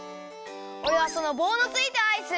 おれはそのぼうのついたアイス！